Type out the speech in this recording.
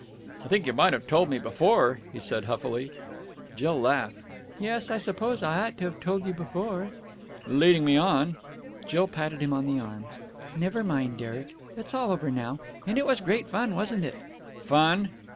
"I think you might have told me before!" he said huffily. Jill laughed. "Yes, I suppose I ought to have told you before." "Leading me on...!" Jill patted him on the arm. "Never mind, Derek! It's all over now. And it was great fun, wasn't it!" "Fun!"